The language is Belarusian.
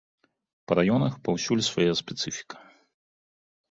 Па раёнах паўсюль свая спецыфіка.